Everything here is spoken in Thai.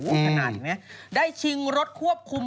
โอ้โหขนาดนี้ได้ชิงรถควบคุม